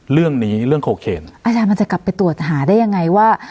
เรื่องนี้เรื่องโคเคนอาจารย์มันจะกลับไปตรวจหาได้ยังไงว่า